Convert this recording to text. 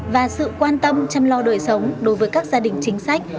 và sự quan tâm chăm lo đời sống đối với các gia đình chính sách